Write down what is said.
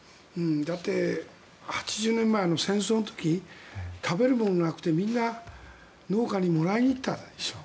だって８０年前戦争の時食べるものがなくてみんな農家にもらいにいったでしょ。